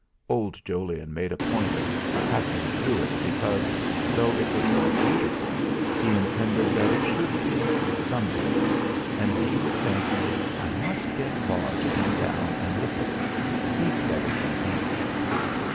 Old Jolyon made a point of passing through it because, though it was not beautiful, he intended that it should be, some day, and he would think: 'I must get Varr to come down and look at it; he's better than Beech.'